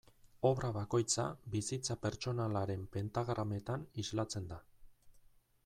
Obra bakoitza bizitza pertsonalaren pentagrametan islatzen da.